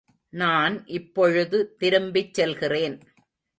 நான் இப்பொழுது திரும்பிச் செல்கிறேன்.